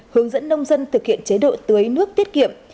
hướng dẫn nông dân thực hiện chế độ tưới nước tiết kiệm